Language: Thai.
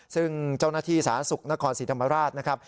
ซึ่งเจ้าหน้าที่สาธารณสุขนครศรีธรรมราชนะครับ